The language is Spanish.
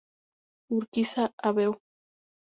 Urquiza, Av.